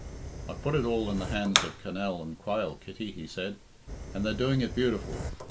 "I've put it all in the hands of Cannell & Quayle, Kitty," he said, "and they're doing it beautiful.